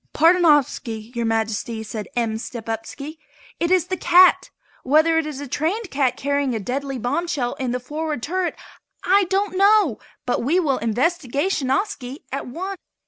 "Pardonoviski, Your Majesty," said M. Stepupski, "it is the cat! Whether it is a trained cat carrying a deadly bombshell in the forward turret, I don't know, but we will investigationiski at once."